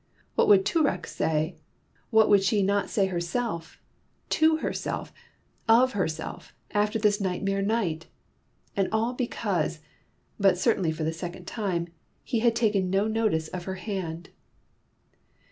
What would Toorak say? What would she not say herself to herself of herself after this nightmare night? And all because (but certainly for the second time) he had taken no notice of her hand!